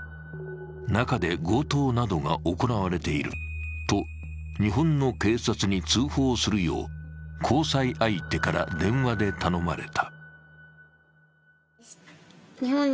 中で強盗などが行われていると日本の警察に通報するよう交際相手から電話で頼まれた。